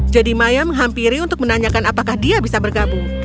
jadi maya menghampiri untuk menanyakan apakah dia bisa bergabung